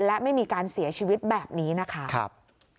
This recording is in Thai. และไม่มีการเสียชีวิตแบบนี้นะคะ